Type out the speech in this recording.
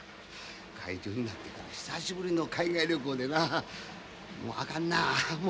会長になってから久しぶりの海外旅行でなもうあかんなあ。